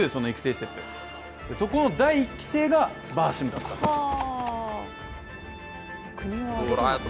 そこの第１期生がバーシムだったんですよ